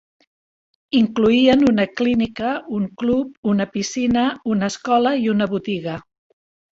Incloïen una clínica, un club, una piscina, una escola i una botiga.